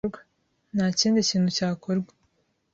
Nta kindi kintu cyakorwa